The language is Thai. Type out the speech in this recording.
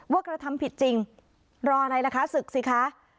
กระทำผิดจริงรออะไรล่ะคะศึกสิคะ